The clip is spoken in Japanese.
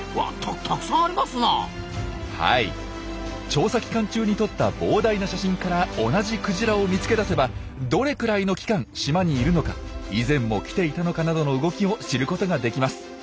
調査期間中に撮った膨大な写真から同じクジラを見つけ出せばどれくらいの期間島にいるのか以前も来ていたのかなどの動きを知ることができます。